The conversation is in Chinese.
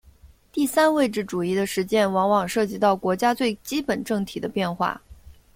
第三位置主义的实践往往涉及到国家最基本政体的变化。